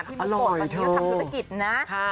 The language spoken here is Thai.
พี่บุโกตอนนี้ำทำธุรกิจนะค่ะ